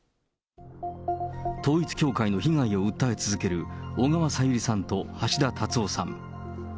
統一教会の被害を訴え続ける小川さゆりさんと橋田達夫さん。